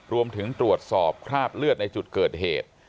รวมถึงตรวจสอบคราบเลือดในจุดเกิดเหตุ